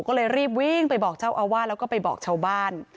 ก็เลยรีบวิ่งไปบอกเจ้าอาวาสแล้วก็ไปบอกชาวบ้าน